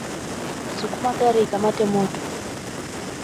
Sukuma gari ikamate moto.